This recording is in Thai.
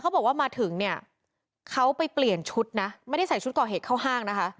เขาบอกว่ามาถึงเค้าไปเปลี่ยนชุดไม่ได้ใส่ชุดเกาะเหตุเข้าห้าง